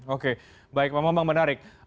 oke baik pak bambang menarik